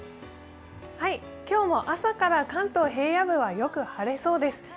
今日も朝から関東平野部はよく晴れそうです。